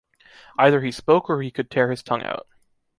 Either he spoke or he could tear his tongue out.